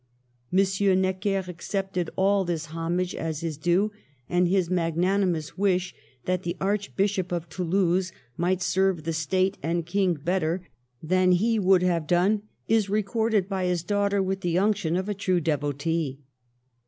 M. Necker accepted all this homage as his due, and his magnanimous wish, that the Archbishop of Toulouse might serve the State and King better than he would have done, is recorded by his daughter with the unction of a true devotee.